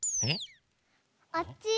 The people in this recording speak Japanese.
あっち？